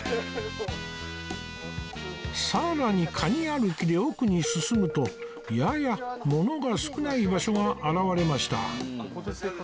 さらにカニ歩きで奥に進むとややものが少ない場所が現れました